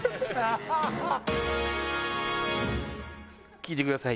聴いてください。